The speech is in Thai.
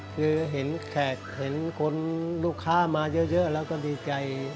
คือเห็นแขกเห็นคนลูกค้ามาเยอะแล้วก็ดีใจ